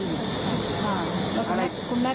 แล้วก็ไม่พบ